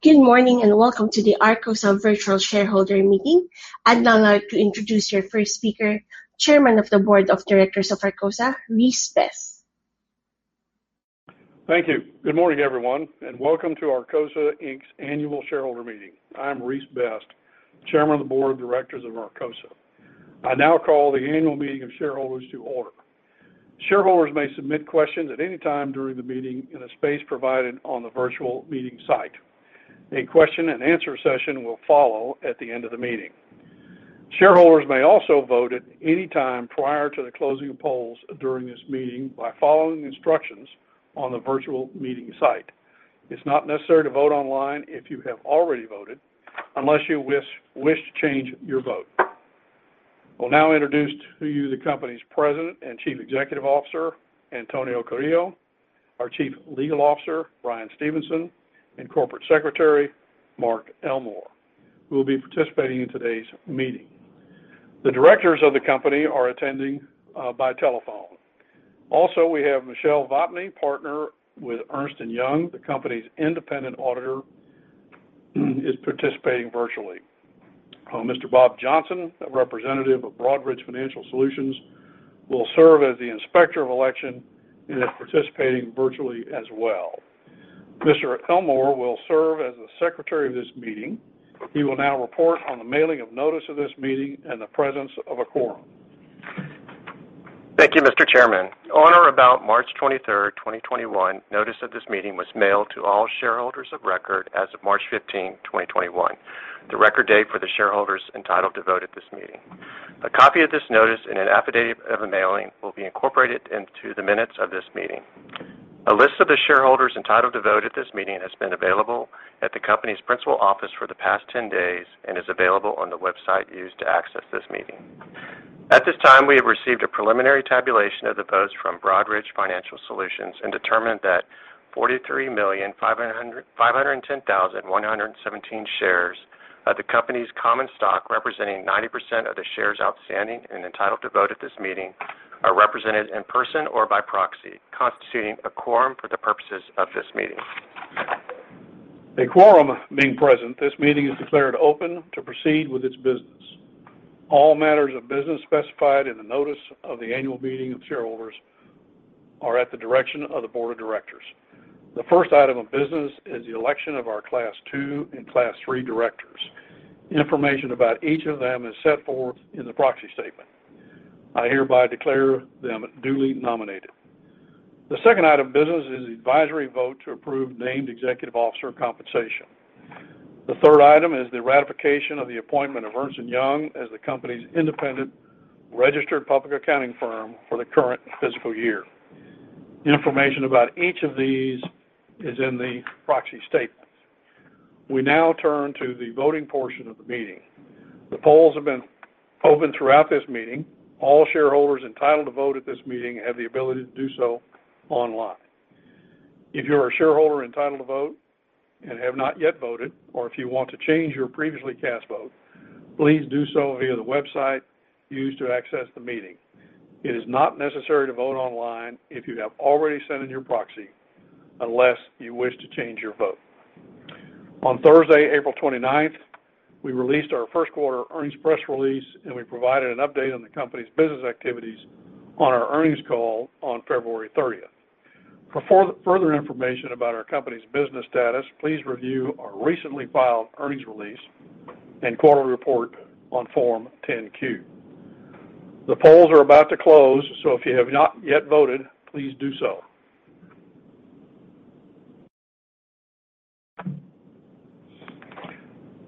Good morning, and welcome to the Arcosa virtual shareholder meeting. I'd now like to introduce your first speaker, Chairman of the Board of Directors of Arcosa, Rhys Best. Thank you. Good morning, everyone, and welcome to Arcosa Inc.'s annual shareholder meeting. I am Rhys Best, chairman of the board of directors of Arcosa. I now call the annual meeting of shareholders to order. Shareholders may submit questions at any time during the meeting in a space provided on the virtual meeting site. A question and answer session will follow at the end of the meeting. Shareholders may also vote at any time prior to the closing of polls during this meeting by following the instructions on the virtual meeting site. It's not necessary to vote online if you have already voted, unless you wish to change your vote. I will now introduce to you the company's president and chief executive officer, Antonio Carrillo, our chief legal officer, Bryan Stevenson, and corporate secretary, Mark Elmore, who will be participating in today's meeting. The directors of the company are attending by telephone. Also, we have Michelle Vopni, partner with Ernst & Young, the company's independent auditor, is participating virtually. Mr. Bob Johnson, a representative of Broadridge Financial Solutions, will serve as the inspector of election and is participating virtually as well. Mr. Elmore will serve as the secretary of this meeting. He will now report on the mailing of notice of this meeting and the presence of a quorum. Thank you, Mr. Chairman. On or about March 23rd, 2021, notice of this meeting was mailed to all shareholders of record as of March 15, 2021, the record date for the shareholders entitled to vote at this meeting. A copy of this notice and an affidavit of a mailing will be incorporated into the minutes of this meeting. A list of the shareholders entitled to vote at this meeting has been available at the company's principal office for the past 10 days and is available on the website used to access this meeting. At this time, we have received a preliminary tabulation of the votes from Broadridge Financial Solutions and determined that 43,510,117 shares of the company's common stock, representing 90% of the shares outstanding and entitled to vote at this meeting, are represented in person or by proxy, constituting a quorum for the purposes of this meeting. A quorum being present, this meeting is declared open to proceed with its business. All matters of business specified in the notice of the annual meeting of shareholders are at the direction of the board of directors. The first item of business is the election of our Class II and Class III directors. Information about each of them is set forth in the proxy statement. I hereby declare them duly nominated. The second item of business is the advisory vote to approve named executive officer compensation. The third item is the ratification of the appointment of Ernst & Young as the company's independent registered public accounting firm for the current fiscal year. Information about each of these is in the proxy statement. We now turn to the voting portion of the meeting. The polls have been open throughout this meeting. All shareholders entitled to vote at this meeting have the ability to do so online. If you're a shareholder entitled to vote and have not yet voted, or if you want to change your previously cast vote, please do so via the website used to access the meeting. It is not necessary to vote online if you have already sent in your proxy, unless you wish to change your vote. On Thursday, April 29th, we released our first quarter earnings press release, and we provided an update on the company's business activities on our earnings call on February 25th. For further information about our company's business status, please review our recently filed earnings release and quarterly report on Form 10-Q. The polls are about to close, so if you have not yet voted, please do so.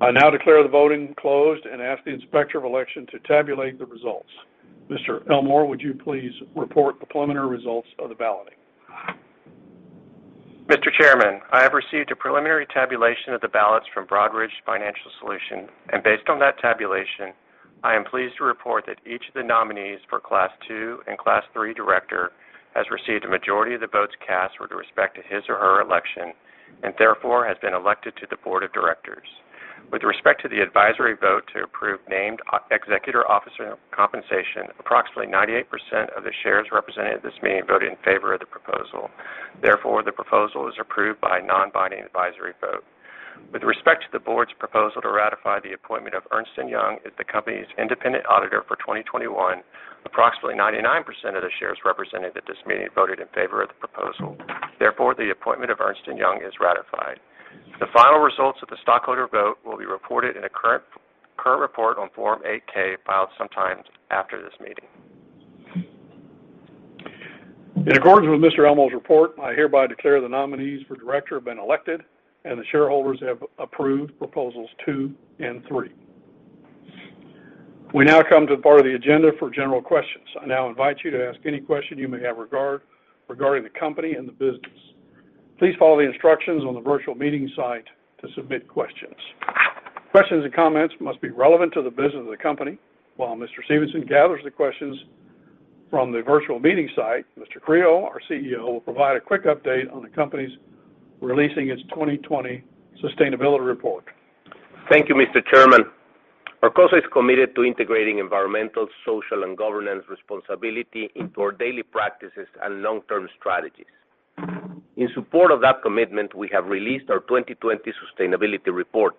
I now declare the voting closed and ask the inspector of election to tabulate the results. Mr. Elmore, would you please report the preliminary results of the balloting? Mr. Chairman, I have received a preliminary tabulation of the ballots from Broadridge Financial Solutions, and based on that tabulation, I am pleased to report that each of the nominees for Class II and Class III director has received a majority of the votes cast with respect to his or her election, and therefore has been elected to the board of directors. With respect to the advisory vote to approve named executive officer compensation, approximately 98% of the shares represented at this meeting voted in favor of the proposal. Therefore, the proposal is approved by a non-binding advisory vote. With respect to the board's proposal to ratify the appointment of Ernst & Young as the company's independent auditor for 2021, approximately 99% of the shares represented at this meeting voted in favor of the proposal. Therefore, the appointment of Ernst & Young is ratified. The final results of the stockholder vote will be reported in a current report on Form 8-K filed sometime after this meeting. In accordance with Mr. Elmore's report, I hereby declare the nominees for director have been elected, and the shareholders have approved proposals two and three. We now come to the part of the agenda for general questions. I now invite you to ask any question you may have regarding the company and the business. Please follow the instructions on the virtual meeting site to submit questions. Questions and comments must be relevant to the business of the company. While Mr. Stevenson gathers the questions from the virtual meeting site, Mr. Carrillo, our CEO, will provide a quick update on the company's releasing its 2020 sustainability report. Thank you, Mr. Chairman. Arcosa is committed to integrating environmental, social, and governance responsibility into our daily practices and long-term strategies. In support of that commitment, we have released our 2020 sustainability report,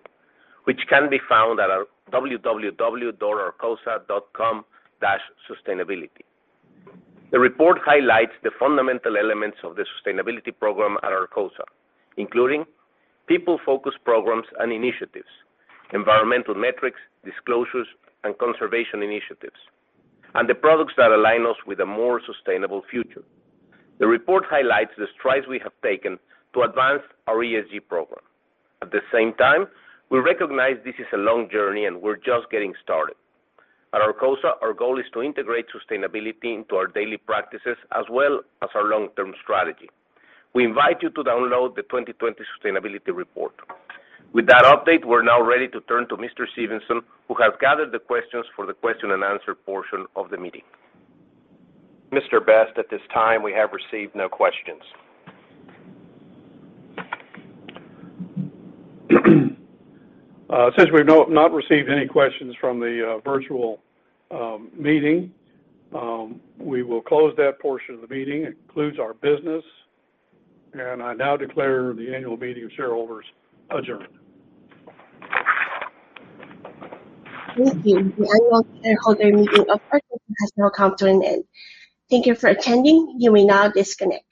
which can be found at our www.arcosa.com/sustainability. The report highlights the fundamental elements of the sustainability program at Arcosa, including people-focused programs and initiatives, environmental metrics, disclosures, and conservation initiatives, and the products that align us with a more sustainable future. The report highlights the strides we have taken to advance our ESG program. At the same time, we recognize this is a long journey, and we're just getting started. At Arcosa, our goal is to integrate sustainability into our daily practices as well as our long-term strategy. We invite you to download the 2020 sustainability report. With that update, we're now ready to turn to Mr. Stevenson, who has gathered the questions for the question and answer portion of the meeting. Mr. Best, at this time, we have received no questions. Since we've not received any questions from the virtual meeting, we will close that portion of the meeting. It concludes our business, and I now declare the annual meeting of shareholders adjourned. Thank you. The annual shareholder meeting of Arcosa has now come to an end. Thank you for attending. You may now disconnect.